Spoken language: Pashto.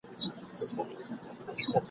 لار به وي ورکه له کاروانیانو ..